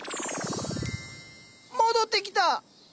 戻ってきた！